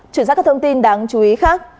chuyển sang các thông tin đáng chú ý khác